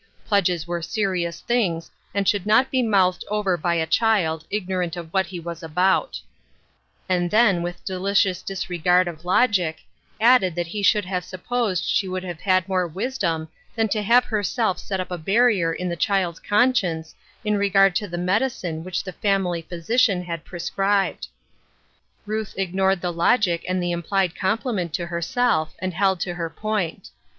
Pledges were serious things, and should not be mouthed over by a child, ignorant of what he was about ;" and then, with delicious disregard of logic, added that he should have sup posed she would have had more wisdom than to have herself set up a barrier in the child's con science in regard to the medicine which the fam 114 COMING TO AN UNDERSTANDING. ily physician had prescribed. Ruth ignored the logic and the implied compliment to herself, and held to her point.